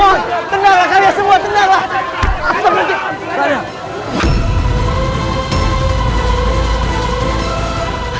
maaf tenanglah kalian semua tenanglah